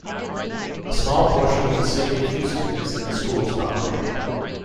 A small portion of the City of Houston is in the school's boundary.